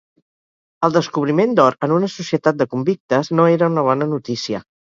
El descobriment d'or en una societat de convictes no era una bona notícia.